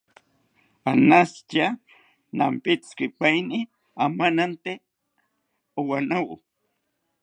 Anashitya nampitzipaini amanante owanawo